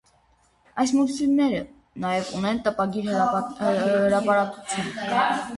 Այս մուլտֆիլմերը նաև ունեն տպագիր հրապարակություն։